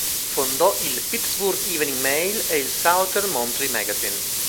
Fondò il Pittsburg Evening Mail e il Southern Monthly Magazine.